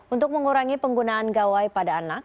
untuk mengurangi penggunaan gawai pada anak